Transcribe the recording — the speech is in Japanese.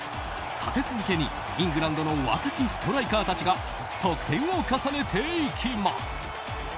立て続けにイングランドの若きストライカーたちが得点を重ねていきます。